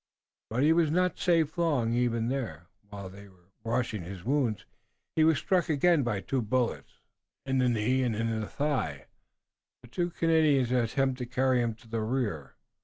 But he was not safe long even there. While they were washing his wounds he was struck again by two bullets, in the knee and in the thigh. Two Canadians attempted to carry him to the rear.